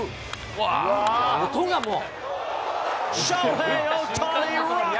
音がもう。